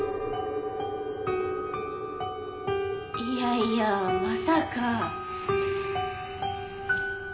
いやいやまさか。